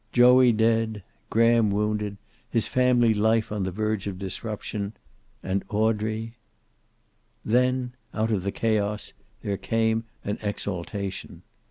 Joey dead. Graham wounded, his family life on the verge of disruption, and Audrey Then, out of the chaos there came an exaltation.